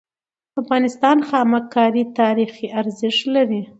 د افغانستان خامک کاری تاریخي ارزښت لري.